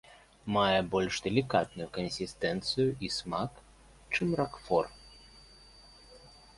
Мае больш далікатную кансістэнцыю і смак, чым ракфор.